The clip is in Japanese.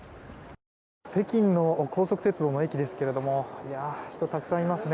北京の高速鉄道の駅ですが人がたくさんいますね。